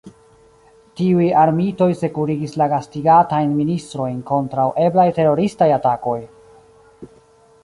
Tiuj armitoj sekurigis la gastigatajn ministrojn kontraŭ eblaj teroristaj atakoj!